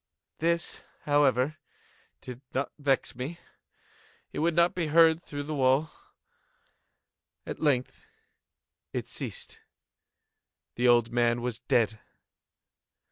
This, however, did not vex me; it would not be heard through the wall. At length it ceased. The old man was dead.